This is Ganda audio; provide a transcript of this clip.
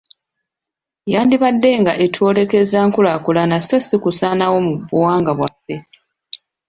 Yandibaddenga etwolekeza nkulaakulana so si kusaanawo mu buwangwa bwaffe.